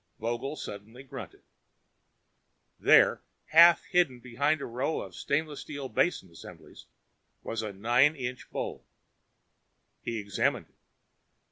Vogel suddenly grunted. There, half hidden behind a row of stainless steel basin assemblies, was a nine inch bowl. He examined it.